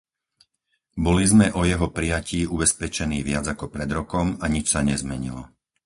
Boli sme o jeho prijatí ubezpečení viac ako pred rokom a nič sa nezmenilo.